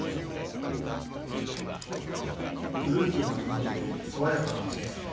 フルーティーな風味で爽やかな味ですね。